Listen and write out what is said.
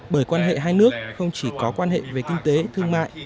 bởi quan hệ hai nước không chỉ có quan hệ về kinh tế thương mại